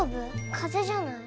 風邪じゃない？